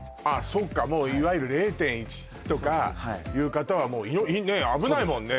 そっかもういわゆる０．１とかいう方はもうねえ危ないもんね